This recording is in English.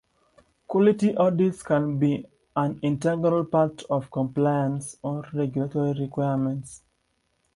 Quality audits can be an integral part of compliance or regulatory requirements.